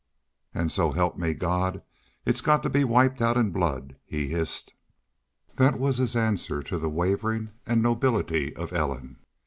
"An' so help me God, it's got to be wiped out in blood!" he hissed. That was his answer to the wavering and nobility of Ellen.